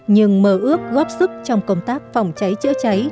nhưng mơ ước góp sức trong công tác phòng cháy chữa cháy